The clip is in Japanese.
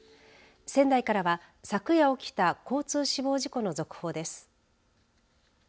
仙台からは昨夜起きた交通死亡事故の続報です。